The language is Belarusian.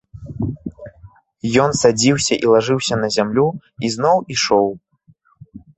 Ён садзіўся і лажыўся на зямлю і зноў ішоў.